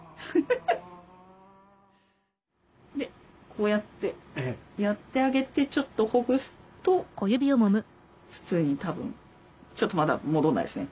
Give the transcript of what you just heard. こうやってやってあげてちょっとほぐすと普通にたぶんちょっとまだ戻んないですね。